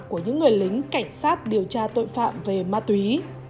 của những người lính cảnh sát điều tra tội phạm về ma túy